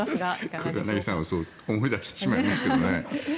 黒柳さんはそう思い出してしまいますけどね。